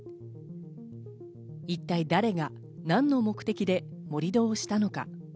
一体誰が何の目的で盛り土をしたのか。